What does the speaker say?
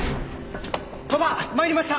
鳥羽参りました。